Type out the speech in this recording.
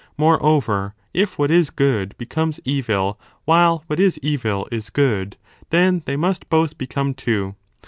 1 More 15 over, if what is good becomes evil while what is evil is good, 2 then they must both become two.